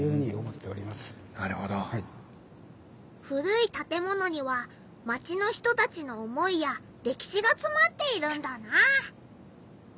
古い建物にはマチの人たちの思いやれきしがつまっているんだな。